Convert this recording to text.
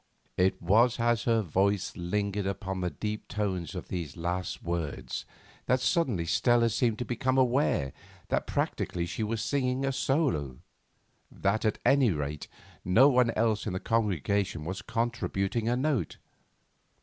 It was as her voice lingered upon the deep tones of these last words that suddenly Stella seemed to become aware that practically she was singing a solo; that at any rate no one else in the congregation was contributing a note.